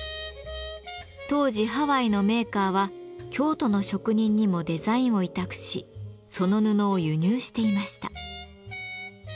当時ハワイのメーカーは京都の職人にもデザインを委託しその布を輸入していました。